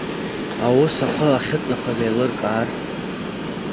Аус ахы ахьыҵнахыз еилыркаар.